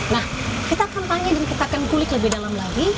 nah kita akan tanya dan kita akan kulik lebih dalam lagi